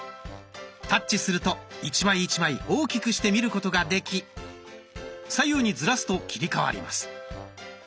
タッチすると１枚１枚大きくして見ることができ左右にずらすと切り替わります。